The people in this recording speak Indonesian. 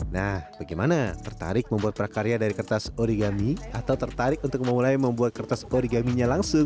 nah bagaimana tertarik membuat prakarya dari kertas origami atau tertarik untuk memulai membuat kertas origaminya langsung